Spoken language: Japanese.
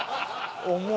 重い。